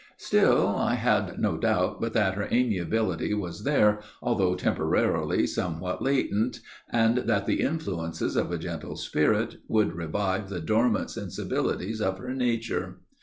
Still, I had no doubt but that her amiability was there, although temporarily somewhat latent, and that the influences of a gentle spirit would revive the dormant sensibilities of her nature.